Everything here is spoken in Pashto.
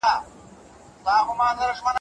د حضرت سلیمان علیه السلام په وخت کې دا کیسه وشوه.